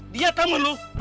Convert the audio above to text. dia temen lu